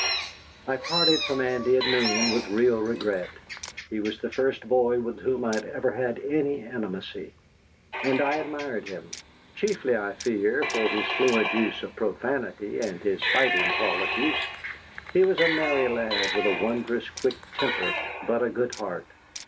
I parted from Andy at noon with real regret. He was the first boy with whom I had ever had any intimacy. And I admired him: chiefly, I fear, for his fluent use of profanity and his fighting qualities. He was a merry lad, with a wondrous quick temper but a good heart.